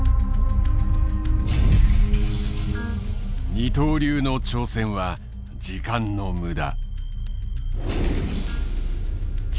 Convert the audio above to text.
「二刀流の挑戦は時間のむだ」。